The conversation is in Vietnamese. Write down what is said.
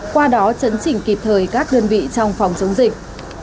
qua đó chấn chỉnh kịp thời các đơn vị trong phòng chống dịch